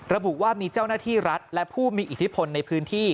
ระบุว่ามีเจ้าหน้าที่รัฐและผู้มีอิทธิพลในพื้นที่